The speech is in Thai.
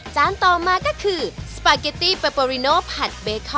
จานต่อมาก็คือ